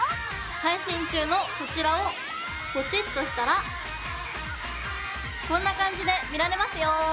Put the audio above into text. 配信中のこちらをポチッとしたらこんな感じで見られますよ。